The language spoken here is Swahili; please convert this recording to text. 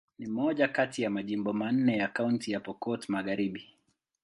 Ni moja kati ya majimbo manne ya Kaunti ya Pokot Magharibi.